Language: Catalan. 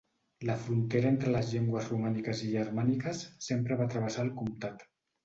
La frontera entre les llengües romàniques i germàniques sempre va travessar el comtat.